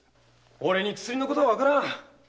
俺に薬のことはわからん。